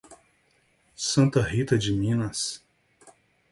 Santa Rita de Minas